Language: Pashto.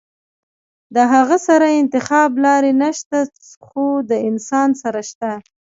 د هغه سره د انتخاب لارې نشته خو د انسان سره شته -